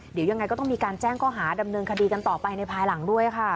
เดี๋ยวยังไงก็ต้องมีการแจ้งข้อหาดำเนินคดีกันต่อไปในภายหลังด้วยค่ะ